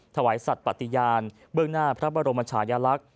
ถวายสัตว์ปฏิญาณเบื้องหน้าพระบรมชายลักษณ์